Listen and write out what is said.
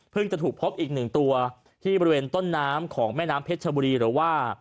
จะถูกพบอีกหนึ่งตัวที่บริเวณต้นน้ำของแม่น้ำเพชรชบุรีหรือว่า